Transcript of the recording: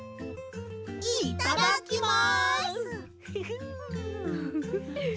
いっただきます！